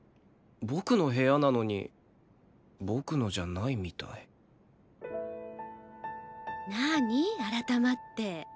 僕の部屋なのに僕のじゃないみたいなあに？改まって。